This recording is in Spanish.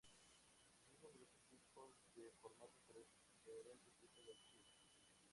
Existen diversos tipos de formatos para diferentes tipos de archivos.